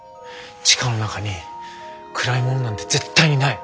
千佳の中に暗いものなんて絶対にない。